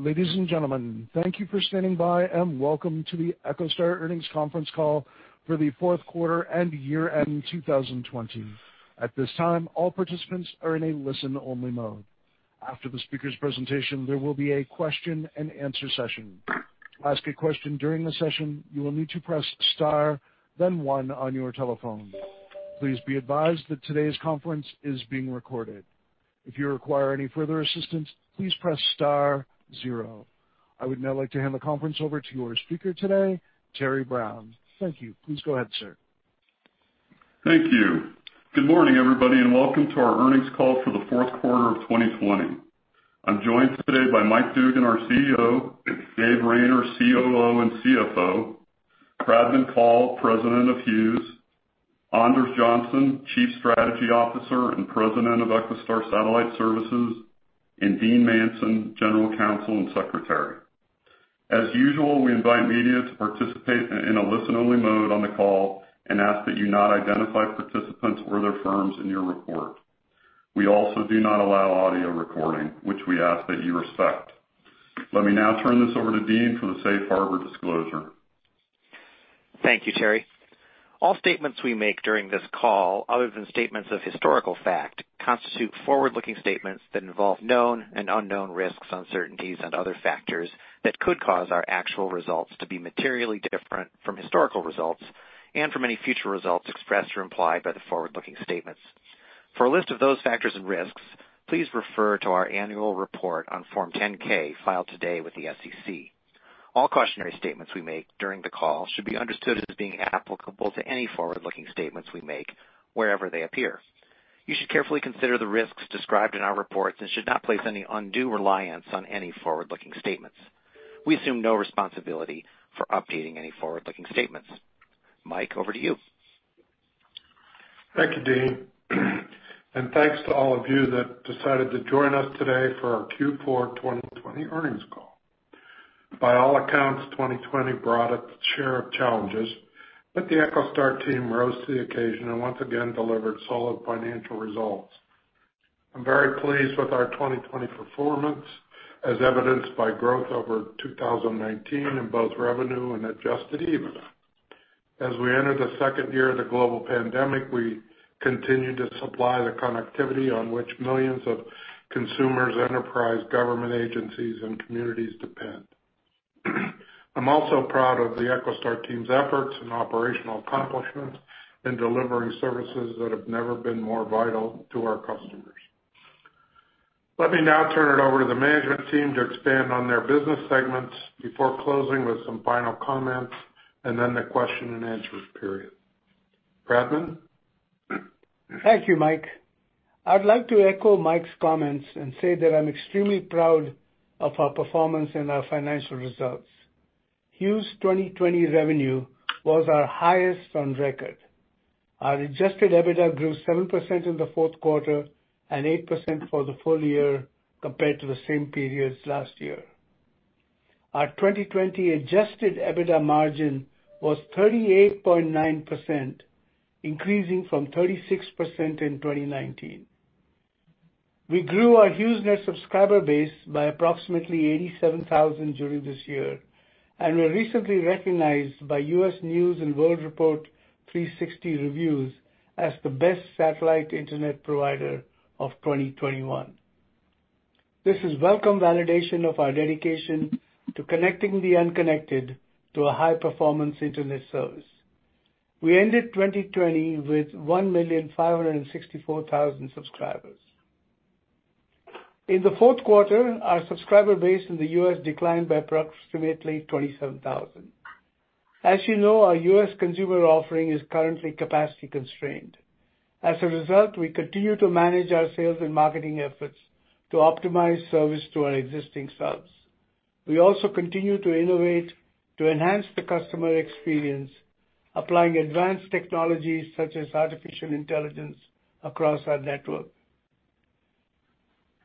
Ladies and gentlemen, thank you for standing by and welcome to the EchoStar Earnings Conference Call for the fourth quarter and year-end 2020. At this time, all participants are in a listen-only mode. After the speaker's presentation, there will be a question-and-answer session. To ask a question during the session, you will need to press star, then one on your telephone. Please be advised that today's conference is being recorded. If you require any further assistance, please press star zero. I would now like to hand the conference over to your speaker today, Terry Brown. Thank you. Please go ahead, sir. Thank you. Good morning, everybody, welcome to our earnings call for the fourth quarter of 2020. I'm joined today by Mike Dugan, our CEO, Dave Rayner, COO and CFO, Pradman Kaul, President of Hughes, Anders Johnson, Chief Strategy Officer and President of EchoStar Satellite Services, and Dean Manson, General Counsel and Secretary. As usual, we invite media to participate in a listen-only mode on the call and ask that you not identify participants or their firms in your report. We also do not allow audio recording, which we ask that you respect. Let me now turn this over to Dean for the safe harbor disclosure. Thank you, Terry. All statements we make during this call, other than statements of historical fact, constitute forward-looking statements that involve known and unknown risks, uncertainties, and other factors that could cause our actual results to be materially different from historical results and from any future results expressed or implied by the forward-looking statements. For a list of those factors and risks, please refer to our annual report on Form 10-K, filed today with the SEC. All cautionary statements we make during the call should be understood as being applicable to any forward-looking statements we make wherever they appear. You should carefully consider the risks described in our reports and should not place any undue reliance on any forward-looking statements. We assume no responsibility for updating any forward-looking statements. Mike, over to you. Thank you, Dean. Thanks to all of you that decided to join us today for our Q4 2020 earnings call. By all accounts, 2020 brought its share of challenges, but the EchoStar team rose to the occasion and once again delivered solid financial results. I am very pleased with our 2020 performance, as evidenced by growth over 2019 in both revenue and adjusted EBITDA. As we enter the second year of the global pandemic, we continue to supply the connectivity on which millions of consumers, enterprise government agencies, and communities depend. I am also proud of the EchoStar team's efforts and operational accomplishments in delivering services that have never been more vital to our customers. Let me now turn it over to the management team to expand on their business segments before closing with some final comments and then the question-and-answer period. Pradman? Thank you, Mike. I'd like to echo Mike's comments and say that I'm extremely proud of our performance and our financial results. Hughes' 2020 revenue was our highest on record. Our adjusted EBITDA grew 7% in the fourth quarter and 8% for the full year compared to the same periods last year. Our 2020 adjusted EBITDA margin was 38.9%, increasing from 36% in 2019. We grew our HughesNet subscriber base by approximately 87,000 during this year, and we were recently recognized by U.S. News & World Report 360 Reviews as the best satellite internet provider of 2021. This is welcome validation of our dedication to connecting the unconnected to a high-performance internet service. We ended 2020 with 1,564,000 subscribers. In the fourth quarter, our subscriber base in the U.S. declined by approximately 27,000. As you know, our U.S. consumer offering is currently capacity constrained. We continue to manage our sales and marketing efforts to optimize service to our existing subs. We also continue to innovate to enhance the customer experience, applying advanced technologies such as artificial intelligence across our network.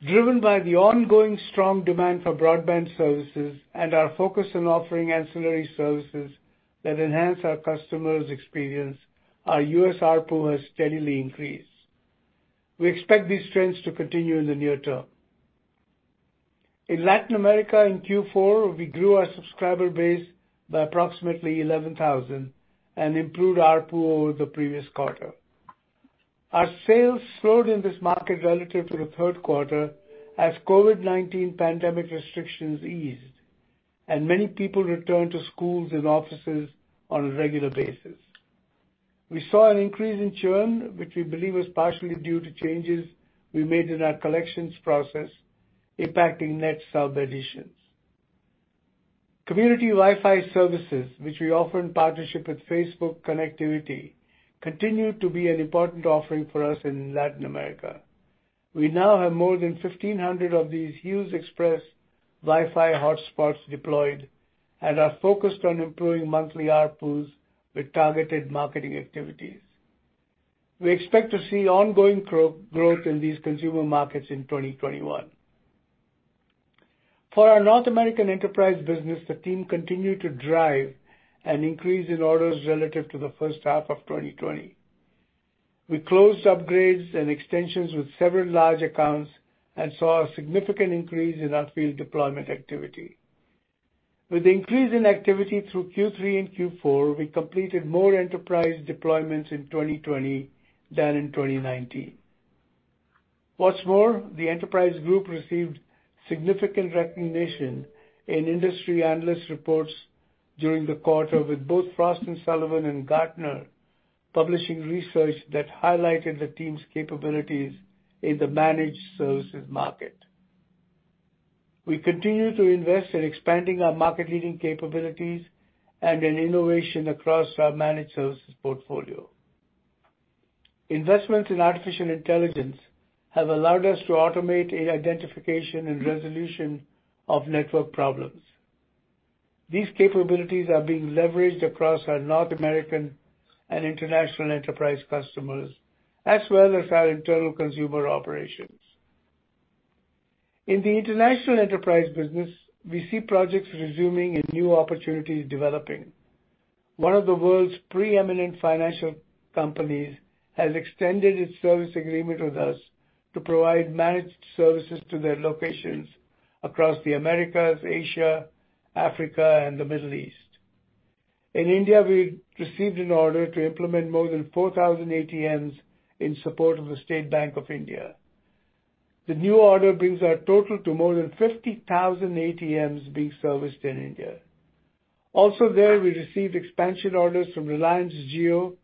Driven by the ongoing strong demand for broadband services and our focus on offering ancillary services that enhance our customers' experience, our U.S. ARPU has steadily increased. We expect these trends to continue in the near term. In Latin America in Q4, we grew our subscriber base by approximately 11,000 and improved ARPU over the previous quarter. Our sales slowed in this market relative to the third quarter as COVID-19 pandemic restrictions eased and many people returned to schools and offices on a regular basis. We saw an increase in churn, which we believe was partially due to changes we made in our collections process, impacting net sub additions. Community Wi-Fi services, which we offer in partnership with Facebook Connectivity, continue to be an important offering for us in Latin America. We now have more than 1,500 of these Hughes Express Wi-Fi hotspots deployed and are focused on improving monthly ARPUs with targeted marketing activities. We expect to see ongoing growth in these consumer markets in 2021. For our North American enterprise business, the team continued to drive an increase in orders relative to the first half of 2020. We closed upgrades and extensions with several large accounts and saw a significant increase in our field deployment activity. With the increase in activity through Q3 and Q4, we completed more enterprise deployments in 2020 than in 2019. What's more, the enterprise group received significant recognition in industry analyst reports during the quarter, with both Frost & Sullivan and Gartner publishing research that highlighted the team's capabilities in the managed services market. We continue to invest in expanding our market-leading capabilities and in innovation across our managed services portfolio. Investments in artificial intelligence have allowed us to automate identification and resolution of network problems. These capabilities are being leveraged across our North American and international enterprise customers, as well as our internal consumer operations. In the international enterprise business, we see projects resuming and new opportunities developing. One of the world's preeminent financial companies has extended its service agreement with us to provide managed services to their locations across the Americas, Asia, Africa, and the Middle East. In India, we received an order to implement more than 4,000 ATMs in support of the State Bank of India. The new order brings our total to more than 50,000 ATMs being serviced in India. Also there, we received expansion orders from Reliance Jio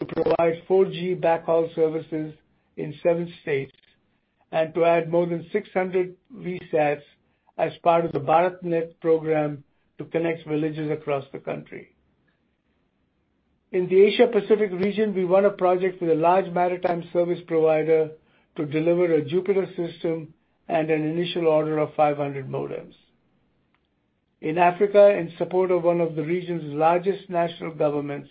to provide 4G backhaul services in seven states and to add more than 600 VSATs as part of the BharatNet program to connect villages across the country. In the Asia Pacific region, we won a project with a large maritime service provider to deliver a JUPITER system and an initial order of 500 modems. In Africa, in support of one of the region's largest national governments,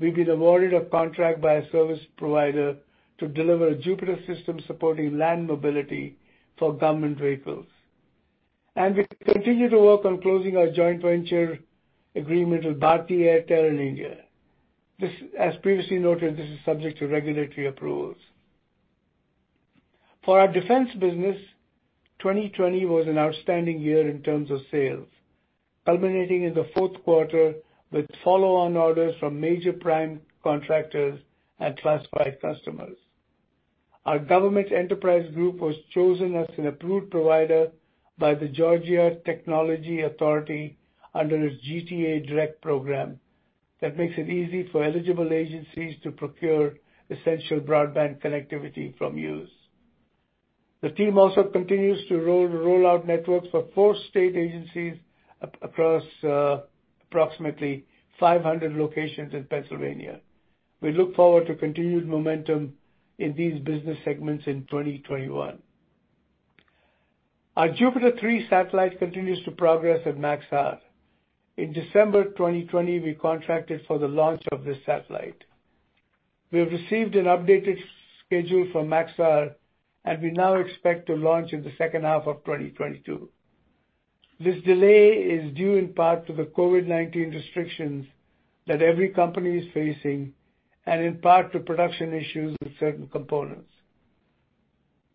we've been awarded a contract by a service provider to deliver a JUPITER system supporting land mobility for government vehicles. We continue to work on closing our joint venture agreement with Bharti Airtel in India. As previously noted, this is subject to regulatory approvals. For our defense business, 2020 was an outstanding year in terms of sales, culminating in the fourth quarter with follow-on orders from major prime contractors and classified customers. Our government enterprise group was chosen as an approved provider by the Georgia Technology Authority under its GTA Direct program that makes it easy for eligible agencies to procure essential broadband connectivity from Hughes. The team also continues to roll out networks for four state agencies across approximately 500 locations in Pennsylvania. We look forward to continued momentum in these business segments in 2021. Our JUPITER 3 satellite continues to progress at Maxar. In December 2020, we contracted for the launch of this satellite. We have received an updated schedule from Maxar, and we now expect to launch in the second half of 2022. This delay is due in part to the COVID-19 restrictions that every company is facing and in part to production issues with certain components.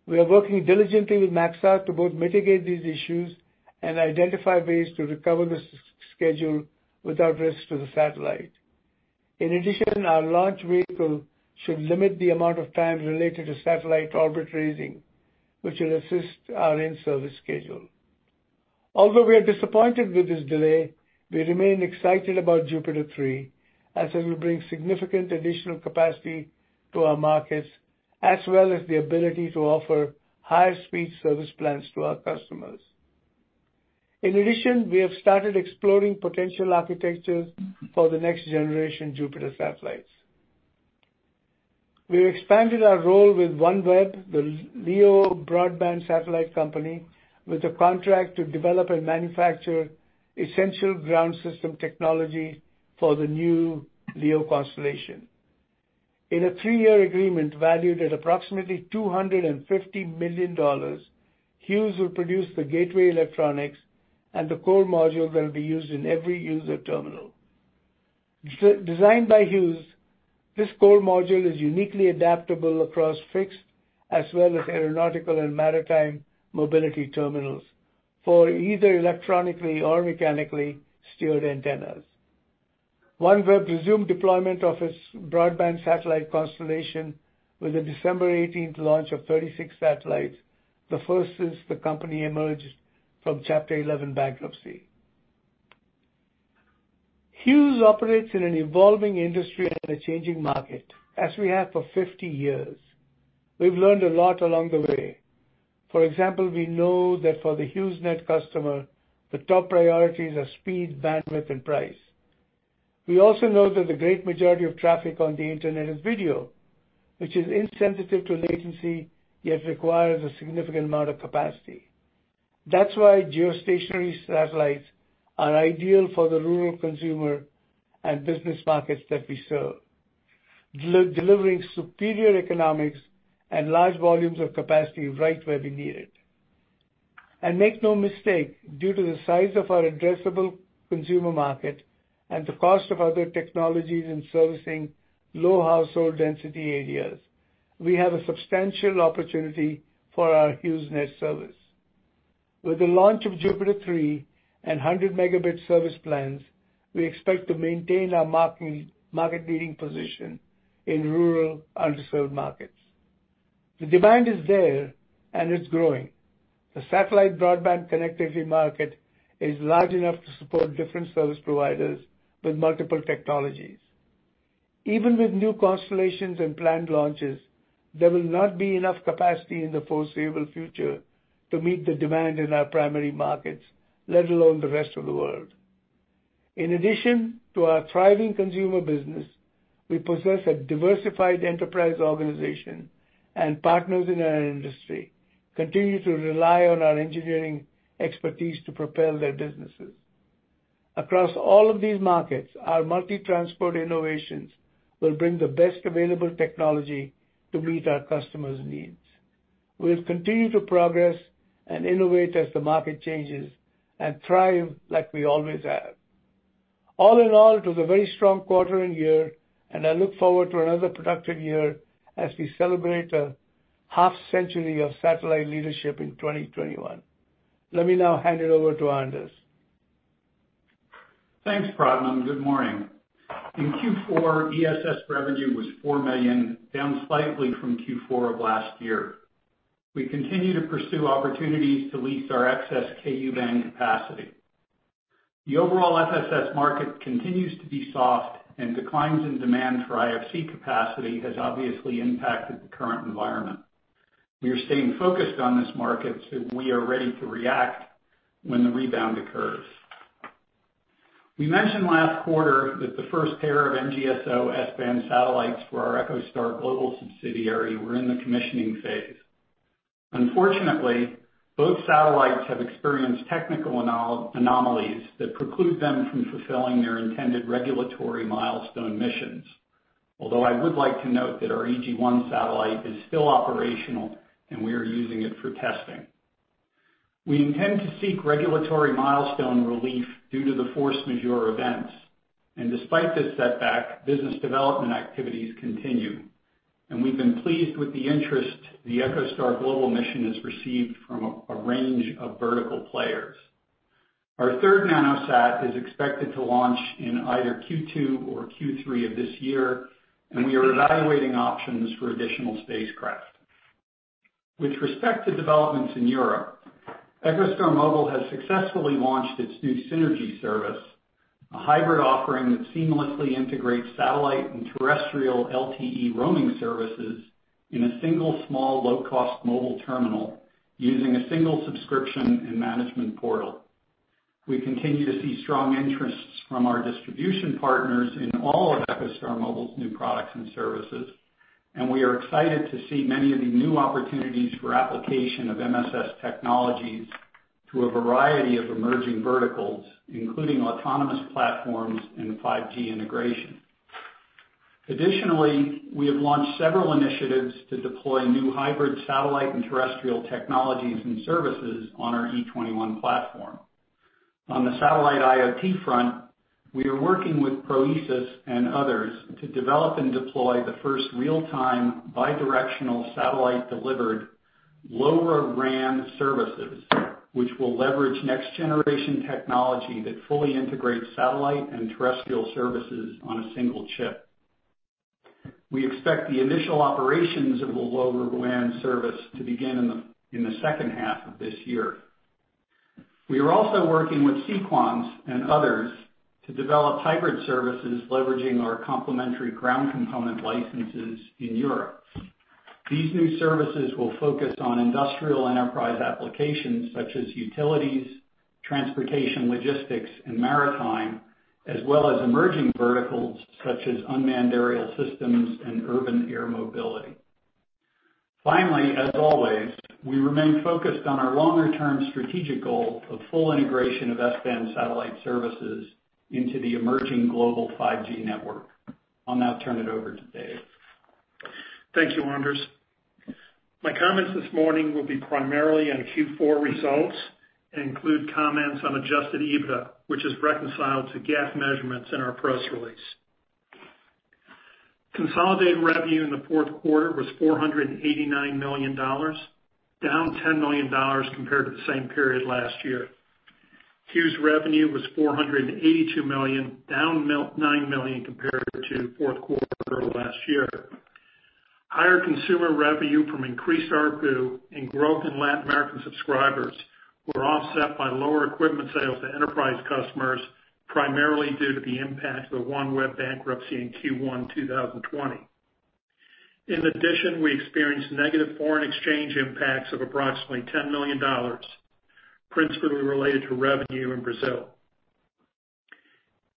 We are working diligently with Maxar to both mitigate these issues and identify ways to recover the schedule without risk to the satellite. Our launch vehicle should limit the amount of time related to satellite orbit raising, which will assist our in-service schedule. We are disappointed with this delay, we remain excited about JUPITER 3, as it will bring significant additional capacity to our markets, as well as the ability to offer higher-speed service plans to our customers. We have started exploring potential architectures for the next generation JUPITER satellites. We expanded our role with OneWeb, the LEO broadband satellite company, with a contract to develop and manufacture essential ground system technology for the new LEO constellation. In a three-year agreement valued at approximately $250 million, Hughes will produce the gateway electronics, and the core module will be used in every user terminal. Designed by Hughes, this core module is uniquely adaptable across fixed as well as aeronautical and maritime mobility terminals for either electronically or mechanically steered antennas. OneWeb resumed deployment of its broadband satellite constellation with the December 18th launch of 36 satellites, the first since the company emerged from Chapter 11 bankruptcy. Hughes operates in an evolving industry and a changing market, as we have for 50 years. We've learned a lot along the way. For example, we know that for the HughesNet customer, the top priorities are speed, bandwidth, and price. We also know that the great majority of traffic on the internet is video, which is insensitive to latency, yet requires a significant amount of capacity. That's why geostationary satellites are ideal for the rural consumer and business markets that we serve, delivering superior economics and large volumes of capacity right where we need it. Make no mistake, due to the size of our addressable consumer market and the cost of other technologies in servicing low household density areas, we have a substantial opportunity for our HughesNet service. With the launch of JUPITER 3 and 100 Mb service plans, we expect to maintain our market-leading position in rural, underserved markets. The demand is there, and it's growing. The satellite broadband connectivity market is large enough to support different service providers with multiple technologies. Even with new constellations and planned launches, there will not be enough capacity in the foreseeable future to meet the demand in our primary markets, let alone the rest of the world. In addition to our thriving consumer business, we possess a diversified enterprise organization, and partners in our industry continue to rely on our engineering expertise to propel their businesses. Across all of these markets, our multi-transport innovations will bring the best available technology to meet our customers' needs. We'll continue to progress and innovate as the market changes and thrive like we always have. All in all, it was a very strong quarter and year, and I look forward to another productive year as we celebrate a half-century of satellite leadership in 2021. Let me now hand it over to Anders. Thanks, Pradman. Good morning. In Q4, ESS revenue was $4 million, down slightly from Q4 of last year. We continue to pursue opportunities to lease our excess Ku-band capacity. The overall FSS market continues to be soft, and declines in demand for IFC capacity has obviously impacted the current environment. We are staying focused on this market, so we are ready to react when the rebound occurs. We mentioned last quarter that the first pair of NGSO S-band satellites for our EchoStar Global subsidiary were in the commissioning phase. Unfortunately, both satellites have experienced technical anomalies that preclude them from fulfilling their intended regulatory milestone missions. Although I would like to note that our EG-1 satellite is still operational, and we are using it for testing. We intend to seek regulatory milestone relief due to the force majeure events. Despite this setback, business development activities continue, and we've been pleased with the interest the EchoStar Global mission has received from a range of vertical players. Our third nanosat is expected to launch in either Q2 or Q3 of this year, and we are evaluating options for additional spacecraft. With respect to developments in Europe, EchoStar Mobile has successfully launched its new SYNERGY service, a hybrid offering that seamlessly integrates satellite and terrestrial LTE roaming services in a single, small, low-cost mobile terminal using a single subscription and management portal. We continue to see strong interests from our distribution partners in all of EchoStar Mobile's new products and services, and we are excited to see many of the new opportunities for application of MSS technologies to a variety of emerging verticals, including autonomous platforms and 5G integration. Additionally, we have launched several initiatives to deploy new hybrid satellite and terrestrial technologies and services on our EchoStar XXI platform. On the satellite IoT front, we are working with ProEsys and others to develop and deploy the first real-time, bi-directional satellite-delivered LoRaWAN services, which will leverage next-generation technology that fully integrates satellite and terrestrial services on a single chip. We expect the initial operations of the LoRaWAN service to begin in the second half of this year. We are also working with Sequans and others to develop hybrid services leveraging our complementary ground component licenses in Europe. These new services will focus on industrial enterprise applications such as utilities, transportation logistics, and maritime, as well as emerging verticals such as unmanned aerial systems and urban air mobility. Finally, as always, we remain focused on our longer-term strategic goal of full integration of S-band satellite services into the emerging global 5G network. I'll now turn it over to Dave. Thank you, Anders. My comments this morning will be primarily on Q4 results and include comments on adjusted EBITDA, which is reconciled to GAAP measurements in our press release. Consolidated revenue in the fourth quarter was $489 million, down $10 million compared to the same period last year. Hughes revenue was $482 million, down $9 million compared to fourth quarter of last year. Higher consumer revenue from increased ARPU and growth in Latin American subscribers were offset by lower equipment sales to enterprise customers, primarily due to the impact of the OneWeb bankruptcy in Q1 2020. In addition, we experienced negative foreign exchange impacts of approximately $10 million, principally related to revenue in Brazil.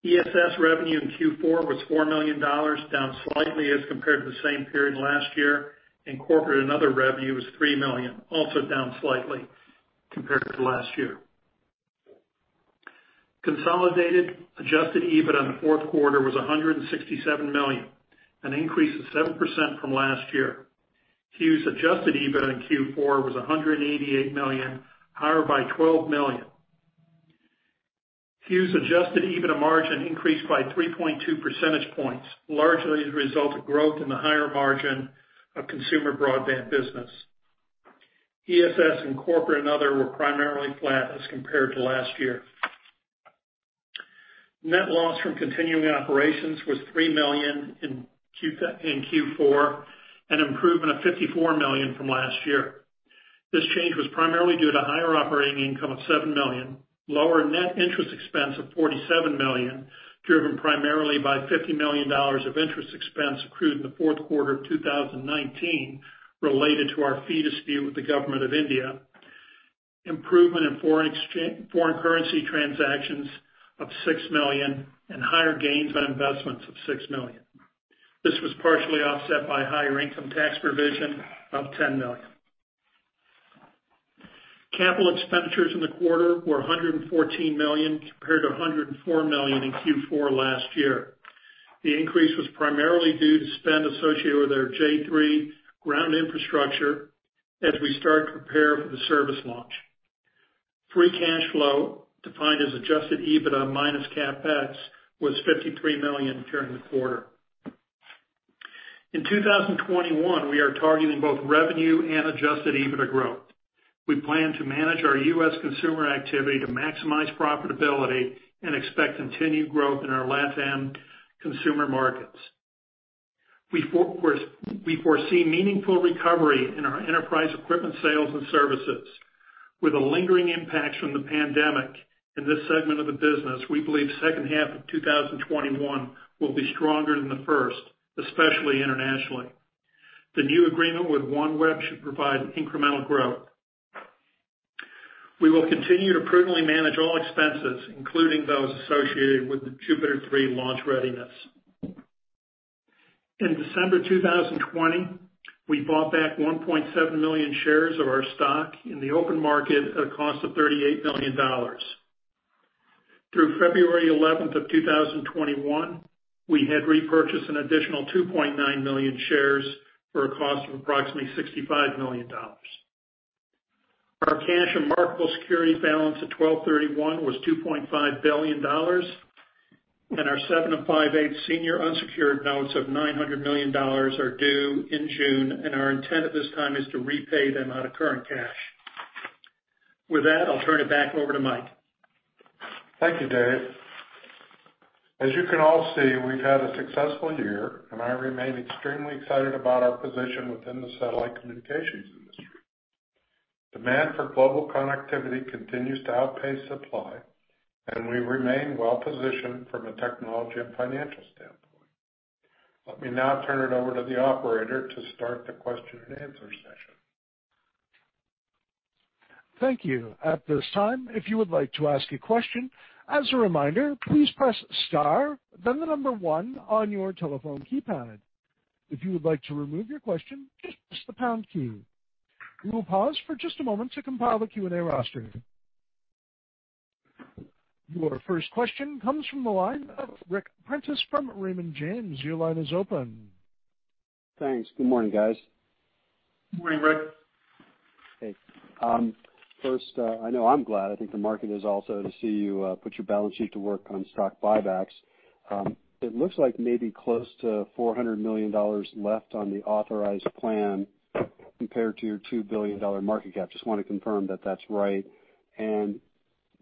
ESS revenue in Q4 was $4 million, down slightly as compared to the same period last year, and corporate and other revenue was $3 million, also down slightly compared to last year. Consolidated adjusted EBITDA in the fourth quarter was $167 million, an increase of 7% from last year. Hughes adjusted EBITDA in Q4 was $188 million, higher by $12 million. Hughes adjusted EBITDA margin increased by 3.2 percentage points, largely as a result of growth in the higher margin of consumer broadband business. ESS and corporate and other were primarily flat as compared to last year. Net loss from continuing operations was $3 million in Q4, an improvement of $54 million from last year. This change was primarily due to higher operating income of $7 million, lower net interest expense of $47 million, driven primarily by $50 million of interest expense accrued in the fourth quarter of 2019 related to our fee dispute with the Government of India, improvement in foreign currency transactions of $6 million, and higher gains on investments of $6 million. This was partially offset by higher income tax provision of $10 million. Capital expenditures in the quarter were $114 million compared to $104 million in Q4 last year. The increase was primarily due to spend associated with our JUPITER 3 ground infrastructure as we start to prepare for the service launch. Free cash flow, defined as adjusted EBITDA minus CapEx, was $53 million during the quarter. In 2021, we are targeting both revenue and adjusted EBITDA growth. We plan to manage our U.S. consumer activity to maximize profitability and expect continued growth in our LatAm consumer markets. We foresee meaningful recovery in our enterprise equipment sales and services. With the lingering impacts from the pandemic in this segment of the business, we believe the second half of 2021 will be stronger than the first, especially internationally. The new agreement with OneWeb should provide incremental growth. We will continue to prudently manage all expenses, including those associated with the JUPITER 3 launch readiness. In December 2020, we bought back 1.7 million shares of our stock in the open market at a cost of $38 million. Through February 11th of 2021, we had repurchased an additional 2.9 million shares for a cost of approximately $65 million. Our cash and marketable securities balance at 12/31 was $2.5 billion. Our 7.058% senior unsecured notes of $900 million are due in June. Our intent at this time is to repay them out of current cash. With that, I'll turn it back over to Mike. Thank you, Dave. As you can all see, we've had a successful year, and I remain extremely excited about our position within the satellite communications industry. Demand for global connectivity continues to outpace supply, and we remain well positioned from a technology and financial standpoint. Let me now turn it over to the operator to start the question-and-answer session. Thank you. At this time, if you would like to ask a question, as a reminder, please press star, then the number one on your telephone keypad. If you would like to remove your question, please press the pound key. We will pause for just a moment to compile your questions. Your first question comes from the line of Ric Prentiss from Raymond James. Your line is open. Thanks. Good morning, guys. Good morning, Ric. Hey. First, I know I'm glad, I think the market is also, to see you put your balance sheet to work on stock buybacks. It looks like maybe close to $400 million left on the authorized plan compared to your $2 billion market cap. Just want to confirm that that's right, and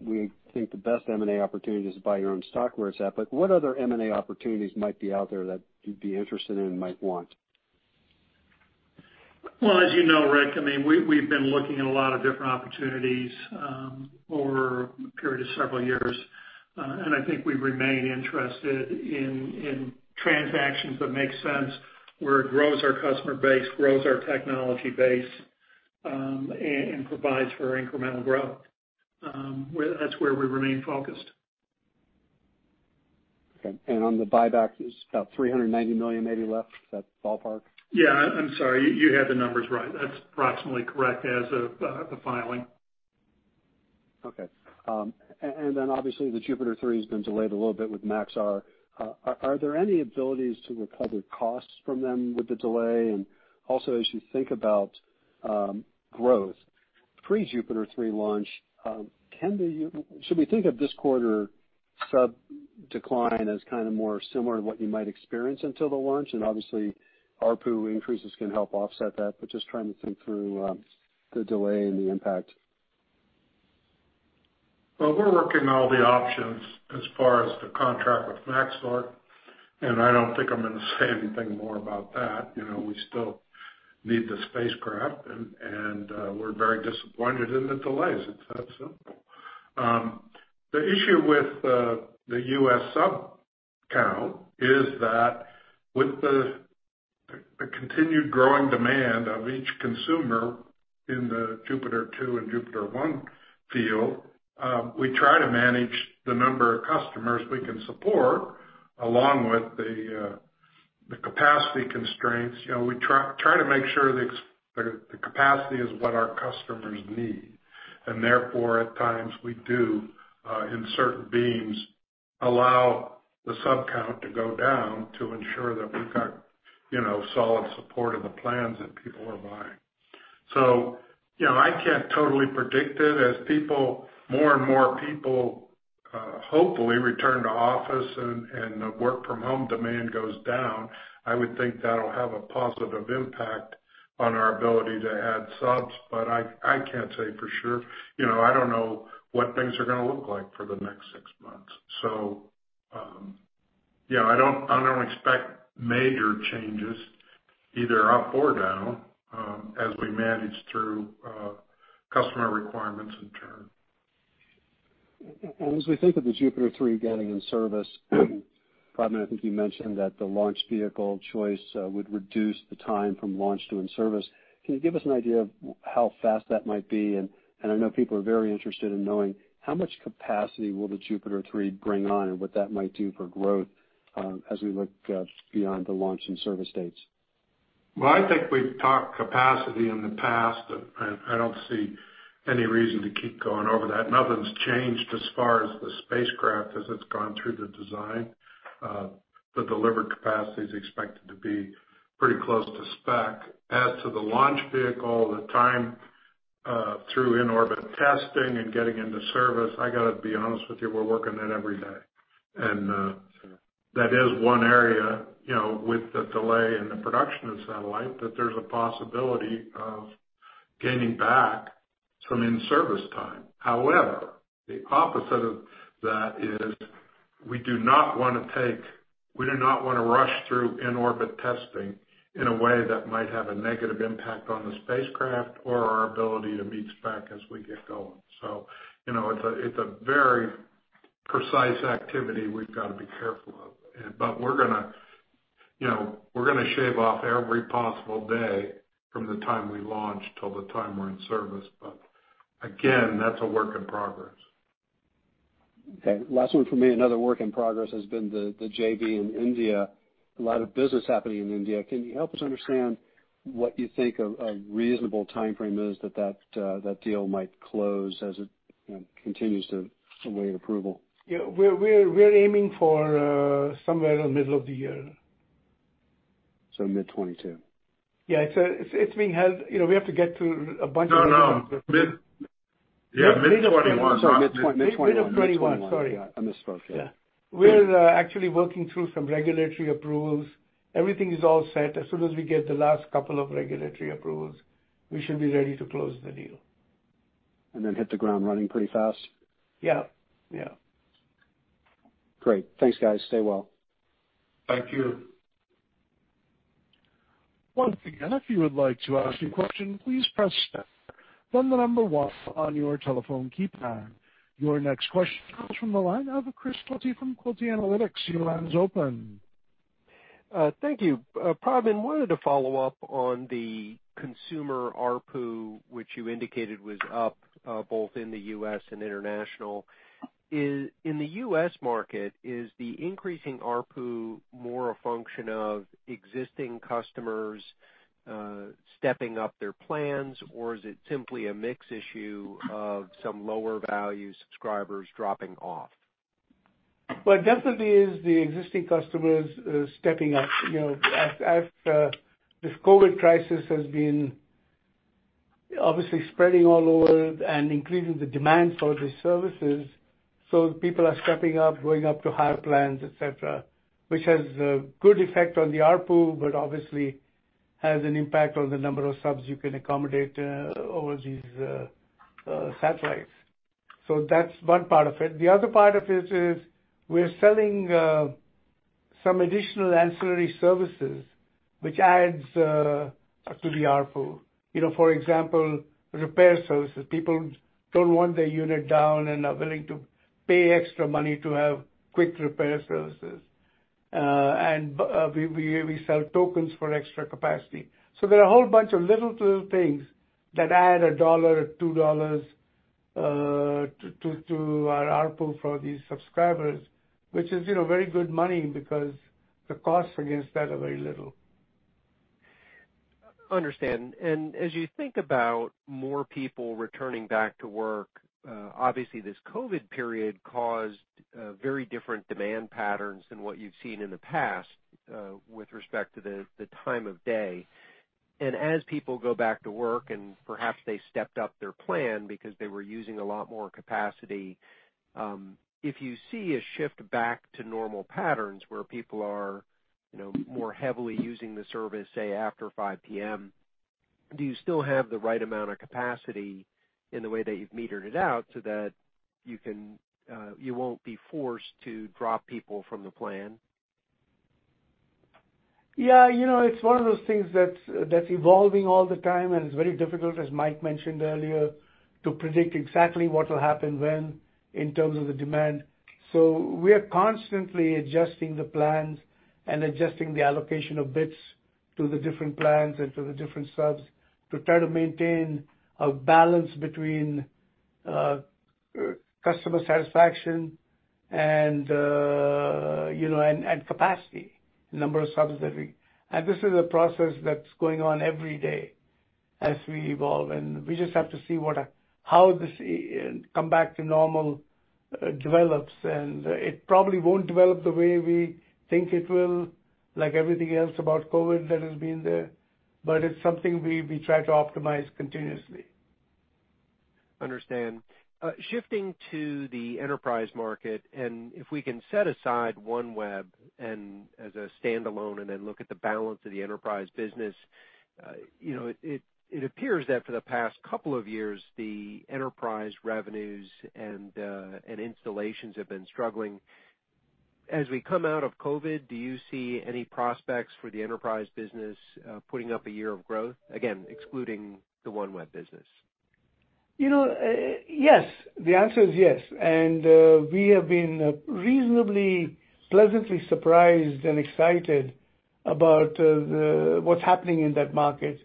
we think the best M&A opportunity is to buy your own stock where it's at. What other M&A opportunities might be out there that you'd be interested in and might want? Well, as you know, Ric, we've been looking at a lot of different opportunities over a period of several years. I think we remain interested in transactions that make sense, where it grows our customer base, grows our technology base, and provides for incremental growth. That's where we remain focused. Okay. On the buyback, there's about $390 million maybe left. Is that ballpark? Yeah. I'm sorry. You had the numbers right. That's approximately correct as of the filing. Okay. Obviously, the JUPITER 3 has been delayed a little bit with Maxar. Are there any abilities to recover costs from them with the delay? As you think about growth pre-JUPITER 3 launch, should we think of this quarter sub decline as more similar to what you might experience until the launch? ARPU increases can help offset that, but just trying to think through the delay and the impact. Well, we're working all the options as far as the contract with Maxar, I don't think I'm going to say anything more about that. We still need the spacecraft, we're very disappointed in the delays. It's that simple. The issue with the U.S. sub count is that with the continued growing demand of each consumer in the JUPITER 2 and JUPITER 1 field, we try to manage the number of customers we can support, along with the capacity constraints, we try to make sure the capacity is what our customers need. Therefore, at times we do, in certain beams, allow the sub count to go down to ensure that we've got solid support of the plans that people are buying. I can't totally predict it. As more and more people hopefully return to office and the work from home demand goes down, I would think that'll have a positive impact on our ability to add subs. I can't say for sure. I don't know what things are going to look like for the next six months. I don't expect major changes either up or down, as we manage through customer requirements in turn. As we think of the JUPITER 3 getting in service, Pradman, I think you mentioned that the launch vehicle choice would reduce the time from launch to in-service. Can you give us an idea of how fast that might be? I know people are very interested in knowing how much capacity will the JUPITER 3 bring on and what that might do for growth as we look beyond the launch and service dates. Well, I think we've talked capacity in the past. I don't see any reason to keep going over that. Nothing's changed as far as the spacecraft as it's gone through the design. The delivered capacity is expected to be pretty close to spec. As to the launch vehicle, the time through in-orbit testing and getting into service, I got to be honest with you, we're working that every day. That is one area, with the delay in the production of the satellite, that there's a possibility of gaining back some in-service time. However, the opposite of that is we do not want to rush through in-orbit testing in a way that might have a negative impact on the spacecraft or our ability to meet spec as we get going. It's a very precise activity we've got to be careful of. We're going to shave off every possible day from the time we launch till the time we're in service. Again, that's a work in progress. Okay. Last one from me. Another work in progress has been the JV in India. A lot of business happening in India. Can you help us understand what you think a reasonable timeframe is that deal might close as it continues to await approval? Yeah. We're aiming for somewhere in the middle of the year. Mid 2022. Yeah. No. Mid of the year. Yeah, mid 2021. Sorry. Mid 2021. Mid of 2021. Sorry. I misspoke. Yeah. We're actually working through some regulatory approvals. Everything is all set. As soon as we get the last couple of regulatory approvals, we should be ready to close the deal. Then hit the ground running pretty fast? Yeah. Yeah. Great. Thanks, guys. Stay well. Thank you. Once again, if you would like to ask a question, please press star, then the number one on your telephone keypad. Your next question comes from the line of Chris Quilty from Quilty Analytics. Your line is open. Thank you. Pradman, I wanted to follow up on the consumer ARPU, which you indicated was up both in the U.S. and international. In the U.S. market, is the increasing ARPU more a function of existing customers stepping up their plans, or is it simply a mix issue of some lower value subscribers dropping off? Well, it definitely is the existing customers stepping up. As this COVID-19 crisis has been obviously spreading all over and increasing the demand for these services, people are stepping up, going up to higher plans, et cetera, which has a good effect on the ARPU, but obviously has an impact on the number of subs you can accommodate over these satellites. That's one part of it. The other part of it is we're selling some additional ancillary services, which adds to the ARPU. For example, repair services. People don't want their unit down and are willing to pay extra money to have quick repair services. We sell tokens for extra capacity. There are a whole bunch of little things that add $1, $2 to our ARPU for these subscribers, which is very good money because the costs against that are very little. Understand. As you think about more people returning back to work, obviously this COVID period caused very different demand patterns than what you've seen in the past with respect to the time of day. As people go back to work, and perhaps they stepped up their plan because they were using a lot more capacity, if you see a shift back to normal patterns where people are more heavily using the service, say after 5:00 P.M., do you still have the right amount of capacity in the way that you've metered it out so that you won't be forced to drop people from the plan? Yeah. It's one of those things that's evolving all the time, and it's very difficult, as Mike mentioned earlier, to predict exactly what will happen when in terms of the demand. We are constantly adjusting the plans and adjusting the allocation of bits to the different plans and to the different subs to try to maintain a balance between customer satisfaction and capacity, number of subs that we. This is a process that's going on every day as we evolve, and we just have to see how this come back to normal develops. It probably won't develop the way we think it will, like everything else about COVID that has been there, it's something we try to optimize continuously. Understand. Shifting to the enterprise market, and if we can set aside OneWeb as a standalone and then look at the balance of the enterprise business. It appears that for the past couple of years, the enterprise revenues and installations have been struggling. As we come out of COVID-19, do you see any prospects for the enterprise business putting up a year of growth? Again, excluding the OneWeb business. Yes. The answer is yes. We have been reasonably pleasantly surprised and excited about what's happening in that market.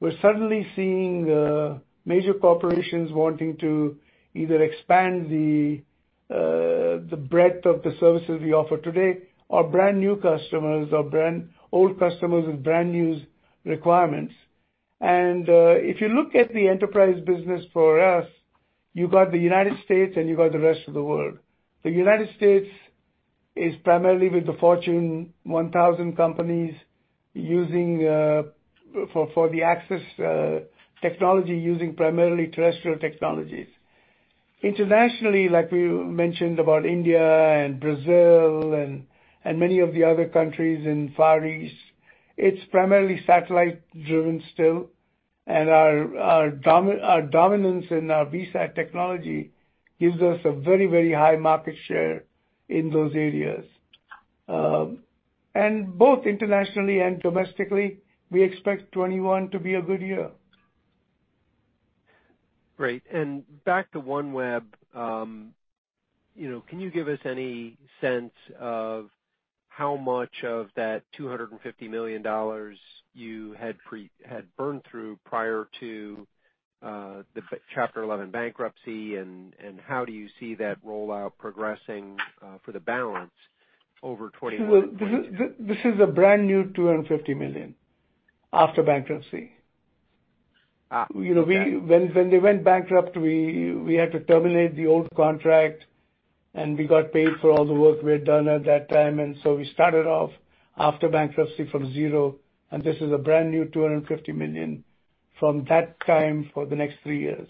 We're suddenly seeing major corporations wanting to either expand the breadth of the services we offer today, or brandnew customers, or old customers with brand new requirements. If you look at the enterprise business for us, you got the U.S. and you got the rest of the world. The U.S. is primarily with the Fortune 1,000 companies for the access technology using primarily terrestrial technologies. Internationally, like we mentioned about India and Brazil and many of the other countries in Far East, it's primarily satellite-driven still. Our dominance in our VSAT technology gives us a very high market share in those areas. Both internationally and domestically, we expect 2021 to be a good year. Great. Back to OneWeb. Can you give us any sense of how much of that $250 million you had burned through prior to the Chapter 11 bankruptcy, and how do you see that rollout progressing for the balance over 2022? This is a brand new $250 million after bankruptcy. Okay. When they went bankrupt, we had to terminate the old contract, and we got paid for all the work we had done at that time. We started off after bankruptcy from zero. This is a brand new $250 million from that time for the next three years.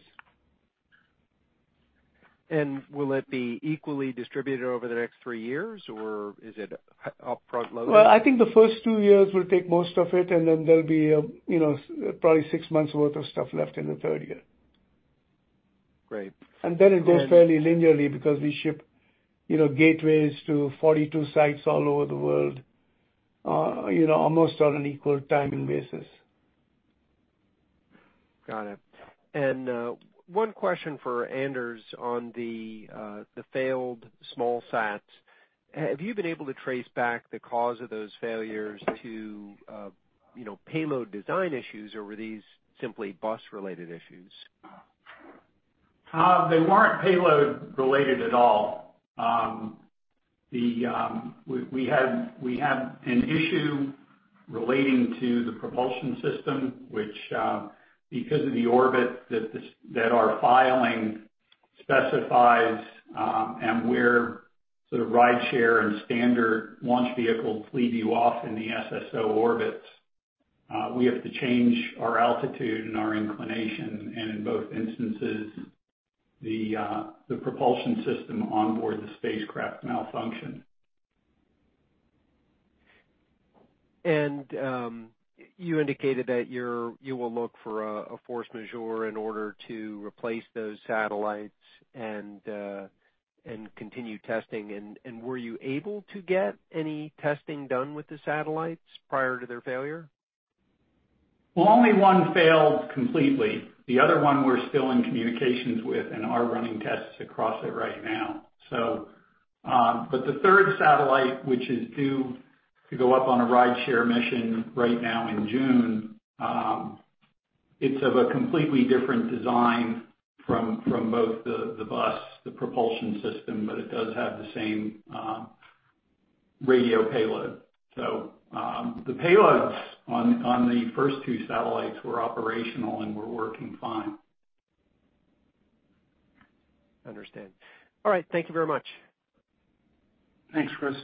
Will it be equally distributed over the next three years, or is it up front loaded? Well, I think the first two years will take most of it, and then there'll be probably six months worth of stuff left in the third year. Great. Then it goes fairly linearly because we ship gateways to 42 sites all over the world, almost on an equal timing basis. Got it. One question for Anders on the failed small sats. Have you been able to trace back the cause of those failures to payload design issues, or were these simply bus-related issues? They weren't payload related at all. We had an issue relating to the propulsion system, which, because of the orbit that our filing specifies, and where the rideshare and standard launch vehicles leave you off in the SSO orbits, we have to change our altitude and our inclination. In both instances, the propulsion system on board the spacecraft malfunctioned. You indicated that you will look for a force majeure in order to replace those satellites and continue testing. Were you able to get any testing done with the satellites prior to their failure? Well, only one failed completely. The other one we're still in communications with and are running tests across it right now. The third satellite, which is due to go up on a rideshare mission right now in June, it's of a completely different design from both the bus, the propulsion system, but it does have the same radio payload. The payloads on the first two satellites were operational and were working fine. Understand. All right. Thank you very much. Thanks, Chris.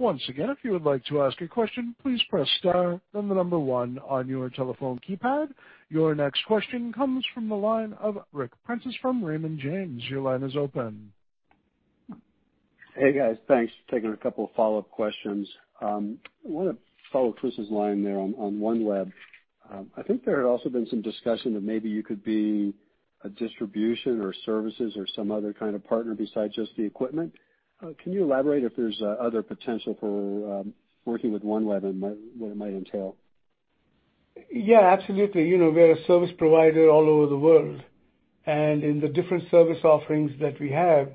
Once again, if you would like to ask a question, please press star, then the number one on your telephone keypad. Your next question comes from the line of Ric Prentiss from Raymond James. Your line is open. Hey, guys. Thanks. Taking a couple of follow-up questions. I want to follow Chris line there on OneWeb. I think there had also been some discussion that maybe you could be a distribution or services or some other kind of partner besides just the equipment. Can you elaborate if there's other potential for working with OneWeb and what it might entail? Yeah, absolutely. We're a service provider all over the world, and in the different service offerings that we have,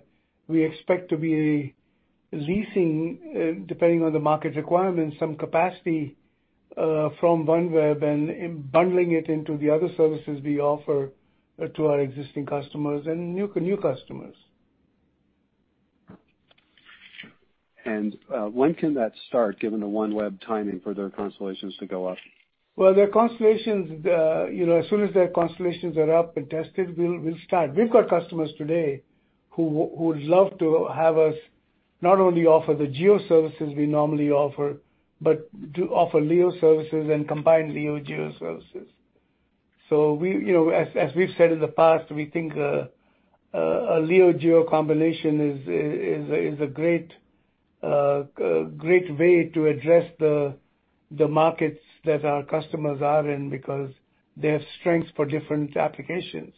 we expect to be leasing, depending on the market requirements, some capacity from OneWeb and bundling it into the other services we offer to our existing customers and new customers. When can that start, given the OneWeb timing for their constellations to go up? As soon as their constellations are up and tested, we'll start. We've got customers today who would love to have us not only offer the GEO services we normally offer, but to offer LEO services and combine LEO-GEO services. As we've said in the past, we think a LEO-GEO combination is a great way to address the markets that our customers are in, because they have strengths for different applications.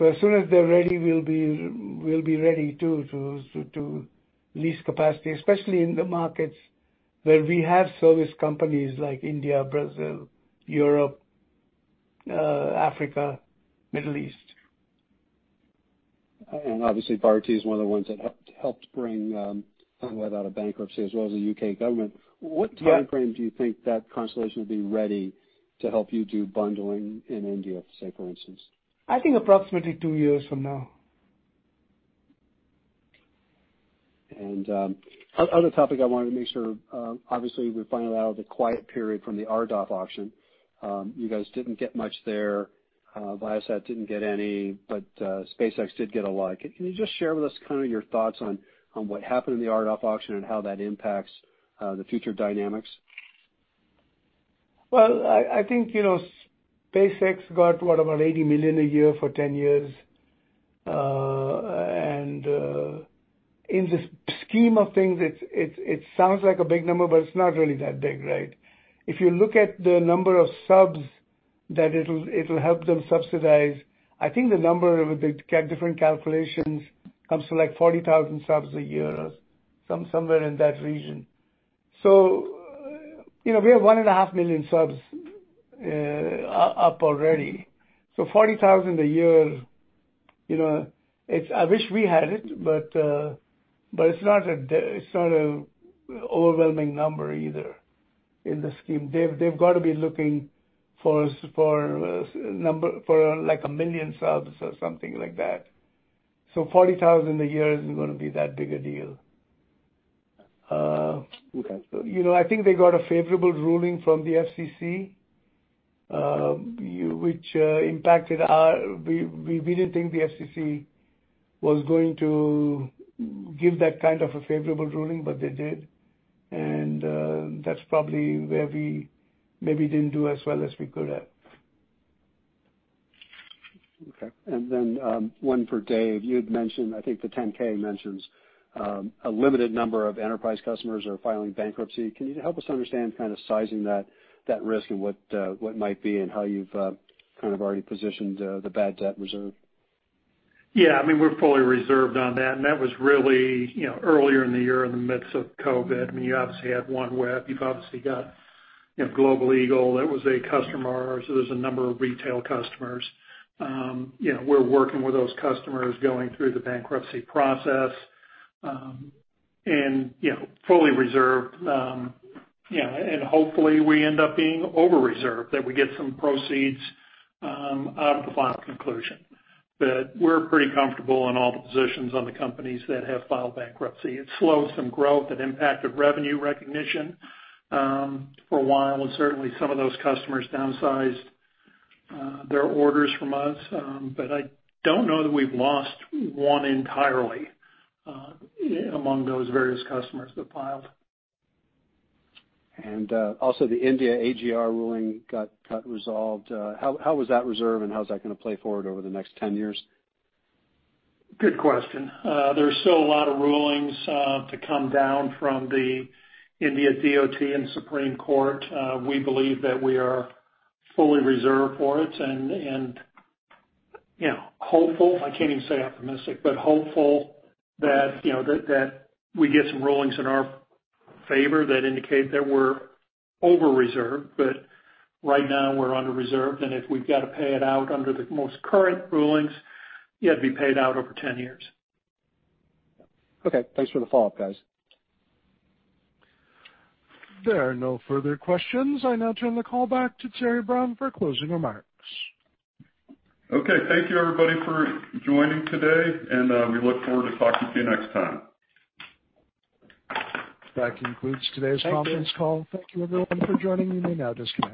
As soon as they're ready, we'll be ready too, to lease capacity, especially in the markets where we have service companies like India, Brazil, Europe, Africa, Middle East. Obviously, Bharti is one of the ones that helped bring OneWeb out of bankruptcy, as well as the U.K. government. Yeah. What timeframe do you think that constellation will be ready to help you do bundling in India, say, for instance? I think approximately two years from now. Another topic I wanted to make sure, obviously we're finding out the quiet period from the RDOF auction. You guys didn't get much there. Viasat didn't get any, but SpaceX did get a lot. Can you just share with us kind of your thoughts on what happened in the RDOF auction and how that impacts the future dynamics? Well, I think, SpaceX got what? About $80 million a year for 10 years. In the scheme of things, it sounds like a big number, but it's not really that big, right? If you look at the number of subs that it'll help them subsidize, I think the number, they different calculations comes to like 40,000 subs a year, or somewhere in that region. We have 1.5 million subs up already. 40,000 a year, I wish we had it, but it's not a overwhelming number either in the scheme. They've got to be looking for like 1 million subs or something like that. 40,000 a year isn't going to be that big a deal. Okay. I think they got a favorable ruling from the FCC, which impacted. We didn't think the FCC was going to give that kind of a favorable ruling, but they did. That's probably where we maybe didn't do as well as we could have. Okay. One for Dave. You had mentioned, I think the 10-K mentions, a limited number of enterprise customers are filing bankruptcy. Can you help us understand kind of sizing that risk and what might be and how you've kind of already positioned the bad debt reserve? Yeah, I mean, we're fully reserved on that. That was really, earlier in the year, in the midst of COVID-19. I mean, you obviously had OneWeb. You've obviously got Global Eagle. That was a customer. There's a number of retail customers. We're working with those customers going through the bankruptcy process, and fully reserved. Hopefully we end up being over-reserved, that we get some proceeds out of the final conclusion. We're pretty comfortable in all the positions on the companies that have filed bankruptcy. It slowed some growth. It impacted revenue recognition for a while, and certainly some of those customers downsized their orders from us. I don't know that we've lost one entirely, among those various customers that filed. Also, the India AGR ruling got resolved. How was that resolved and how is that going to play forward over the next 10 years? Good question. There are still a lot of rulings to come down from the India DOT and Supreme Court. We believe that we are fully reserved for it and hopeful, I can't even say optimistic, but hopeful that we get some rulings in our favor that indicate that we're over-reserved. Right now, we're under-reserved, and if we've got to pay it out under the most current rulings, it'd be paid out over 10 years. Okay. Thanks for the follow-up, guys. There are no further questions. I now turn the call back to Terry Brown for closing remarks. Okay. Thank you everybody for joining today. We look forward to talking to you next time. That concludes today's conference call. Thank you everyone for joining. You may now disconnect.